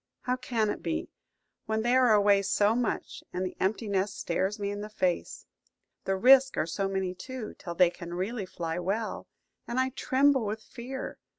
How can it be, when they are away so much, and the empty nest stares me in the face? The risks are so many too, till they can really fly well, and I tremble with fear.